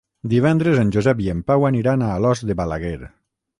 Divendres en Josep i en Pau aniran a Alòs de Balaguer.